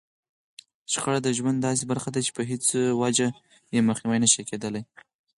شخړه د ژوند داسې برخه ده چې په هېڅ وجه يې مخنيوی نشي کېدلای.